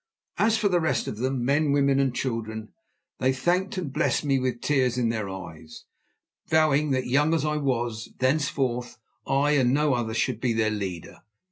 As for the rest of them, men, women and children, they thanked and blessed me with tears in their eyes, vowing that, young as I was, thenceforth I and no other should be their leader.